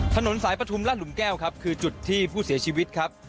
ถนนสายปฐุมราชหลุมแก้วครับคือจุดที่ผู้เสียชีวิตครับ